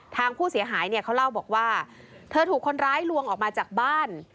ทางผู้เสียหายเนี่ยเขาเล่าบอกว่าเธอถูกคนร้ายลวงออกมาจากบ้าน